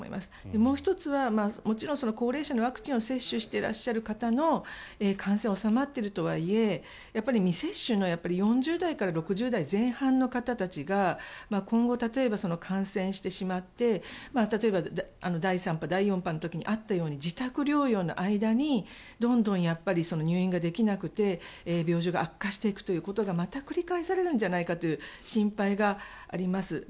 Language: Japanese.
もう１つはもちろん高齢者のワクチンを接種していらっしゃる方の感染は収まっているとはいえやっぱり未接種の４０代から６０代前半の方たちが今後、例えば感染してしまって例えば第３波、第４波の時にあったように自宅療養の間にどんどん入院ができなくて病状が悪化していくということがまた繰り返されるのではないかという心配があります。